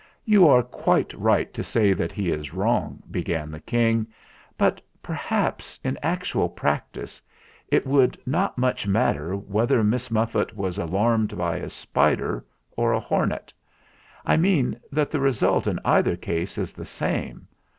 "You are quite right to say that he is wrong," began the King; "but perhaps, in actual practice, it would not much matter whether Miss Muffet was alarmed by a spider or a hornet. I mean that the result in either case is the same.